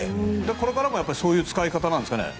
これからもそういう使い方なんですかね。